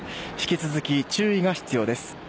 引き続き注意が必要です。